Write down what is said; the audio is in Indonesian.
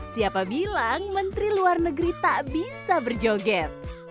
siapa bilang menteri luar negeri tak bisa berjoget